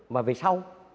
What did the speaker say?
mà về sau